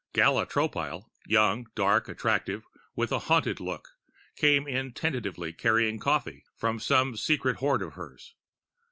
Gala Tropile, young, dark, attractive, with a haunted look, came in tentatively carrying coffee from some secret hoard of hers.